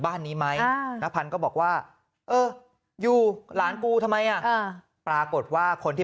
บ้านนี้ไหมน้าพันธ์ก็บอกว่าเอออยู่หลานกูทำไมอ่ะปรากฏว่าคนที่